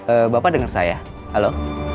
eh bapak dengar saya halo